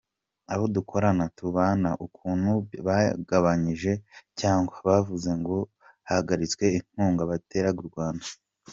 Abo dukorana, tubana, ukuntu bagabanyije cyangwa, bavuze ngo bahagaritse inkunga bateraga u Rwanda.